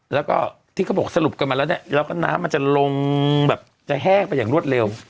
แล้วก็ที่เขาบอกสรุปกันมาแล้วเนี่ยแล้วก็น้ำมันจะลงแบบจะแห้งไปอย่างรวดเร็ว